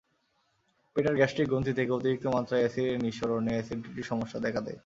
পেটের গ্যাস্ট্রিক গ্রন্থি থেকে অতিরিক্ত মাত্রায় অ্যাসিডের নিঃসরণে অ্যাসিডিটির সমস্যা দেখা দেয়।